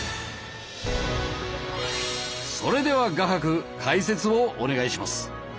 それでは画伯解説をお願いします。